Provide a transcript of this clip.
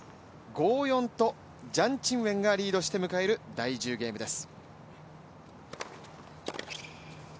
５ー４とジャン・チンウェンがリードして迎える第１０ゲームです。